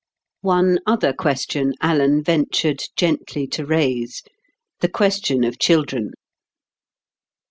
One other question Alan ventured gently to raise—the question of children.